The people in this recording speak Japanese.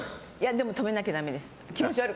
でも、止めなきゃダメです。